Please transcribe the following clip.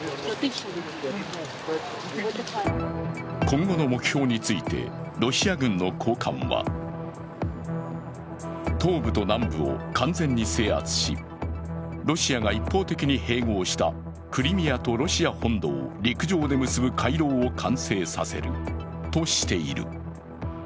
今後の目標についてロシア軍の高官は東部と南部を完全に制圧しロシアが一方的に併合したクリミアとロシア本土を陸上で結ぶ回廊を完成させるとしている。